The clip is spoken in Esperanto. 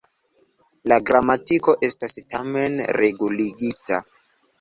La gramatiko estas tamen reguligita.